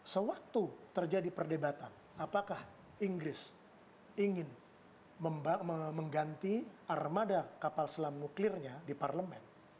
sewaktu terjadi perdebatan apakah inggris ingin mengganti armada kapal selam nuklirnya di parlemen